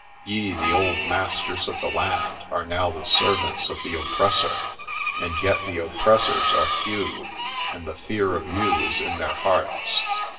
Ye, the old masters of the land, are now the servants of the oppressor. And yet the oppressors are few, and the fear of you is in their hearts.